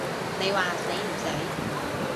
你話死唔死？